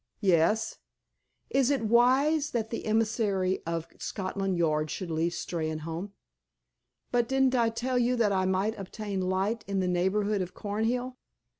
"Yes." "Is it wise that the emissary of Scotland Yard should leave Steynholme?" "But didn't I tell you that I might obtain light in the neighborhood of Cornhill?"